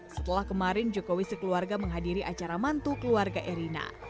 setelah kemarin jokowi sekeluarga menghadiri acara mantu keluarga erina